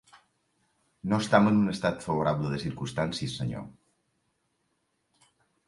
No estem en un estat favorable de circumstàncies, senyor.